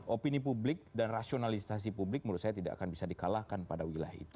opini publik dan rasionalisasi publik menurut saya tidak akan bisa dikalahkan pada wilayah itu